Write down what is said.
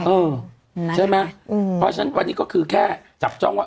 เออใช่ไหมเพราะฉะนั้นวันนี้ก็คือแค่จับจ้องว่า